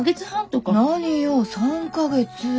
何よ３か月。